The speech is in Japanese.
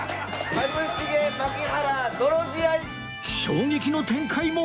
衝撃の展開も！